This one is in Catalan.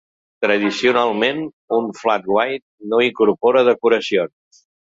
Tradicionalment, un "flat white" no incorpora decoracions.